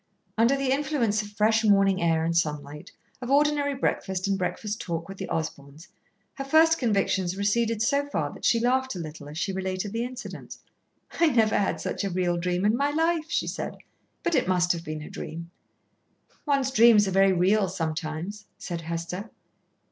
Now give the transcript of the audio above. Under the influence of fresh morning air and sunlight, of ordinary breakfast and breakfast talk with the Osborns, her first convictions receded so far that she laughed a little as she related the incident. "I never had such a real dream in my life," she said; "but it must have been a dream." "One's dreams are very real sometimes," said Hester.